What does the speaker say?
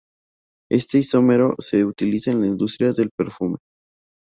Este isómero se utiliza en la industria del perfume.